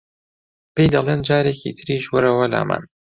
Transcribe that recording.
پێی دەڵێن جارێکی تریش وەرەوە لامان